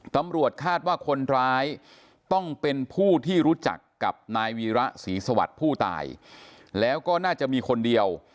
ตำรวจคาดว่าคนร้ายต้องเป็นผู้ที่รู้จักกับนายวีระศรีสวัสดิ์ผู้ตายแล้วก็น่าจะมีคนเดียว